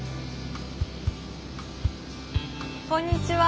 こんにちは。